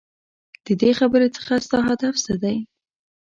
ددې خبرې څخه ستا هدف څه دی ؟؟